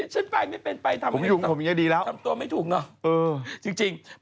ฉันไปไม่เป็นไปทำตัวไม่ถูกเนอะจริงผมอยู่ผมอย่างนี้ดีแล้ว